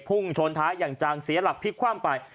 พุ่งชนท้ายอย่างจังเสียหลักพลิกคว่ำไป